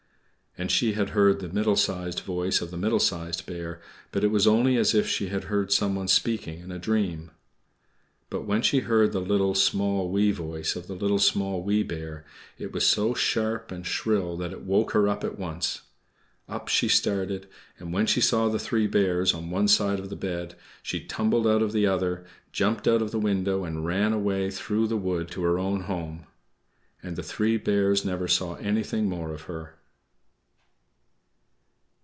And she had heard the middle sized voice of the Middle Sized Bear, but it was only as if she had heard some one speaking in a dream. But when she heard the little, small, wee voice of the Little, Small, Wee Bear, it was so sharp and shrill that it woke her up at once. Up she started, and when she saw the three Bears, on one side of the bed, she tumbled out at the other, jumped out of the window and ran away through the wood to her own home. And the three Bears never saw anything more of her.